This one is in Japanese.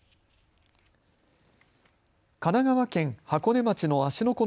神奈川県箱根町の芦ノ